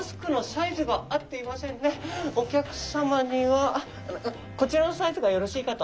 おきゃくさまにはこちらのサイズがよろしいかと。